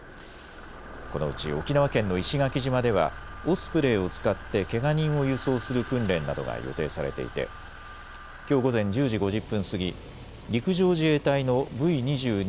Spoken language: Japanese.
このうち沖縄県の石垣島ではオスプレイを使ってけが人を輸送する訓練などが予定されていてきょう午前１０時５０分過ぎ、陸上自衛隊のＶ２２